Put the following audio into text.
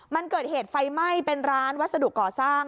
มันเกิดเหตุไฟไหม้เป็นร้านวัสดุก่อสร้าง